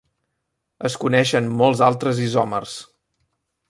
Es coneixen molts altres isòmers.